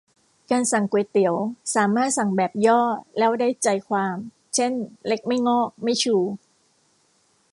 การสั่งก๋วยเตี๋ยว สามารถสั่งแบบย่อแล้วได้ใจความ เช่นเล็กไม่งอกไม่ชู